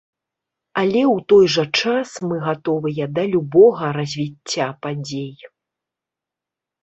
Але ў той жа час мы гатовыя да любога развіцця падзей.